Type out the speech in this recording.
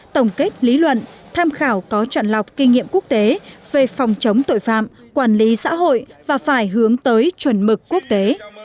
tổng kết lý luận tham khảo có trọn lọc kinh nghiệm quốc tế về phòng chống tội phạm quản lý xã hội và phải hướng tới chuẩn mực quốc tế